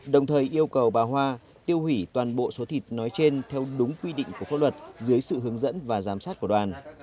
đồng thời yêu cầu bà hoa tiêu hủy toàn bộ số thịt nói trên theo đúng quy định của pháp luật dưới sự hướng dẫn và giám sát của đoàn